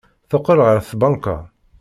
Teqqel ɣer tbanka.